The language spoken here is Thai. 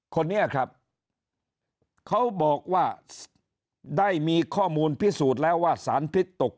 คนนี้ครับเขาบอกว่าได้มีข้อมูลพิสูจน์แล้วว่าสารพิษตก